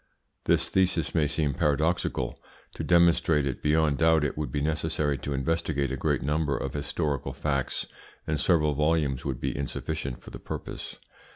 This thesis may seem paradoxical. To demonstrate it beyond doubt it would be necessary to investigate a great number of historical facts, and several volumes would be insufficient for the purpose.